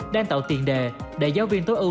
đang tạo tiền đề để giáo viên tối ưu